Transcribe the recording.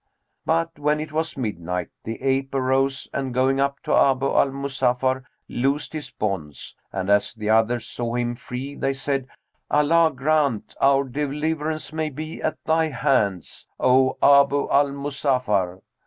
But when it was midnight, the ape arose and going up to Abu al Muzaffar, loosed his bonds; and, as the others saw him free, they said, 'Allah grant our deliverance may be at thy hands, O Abu al Muzaffar!'